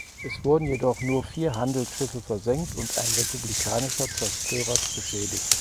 Es wurden jedoch nur vier Handelsschiffe versenkt und ein republikanischer Zerstörer beschädigt.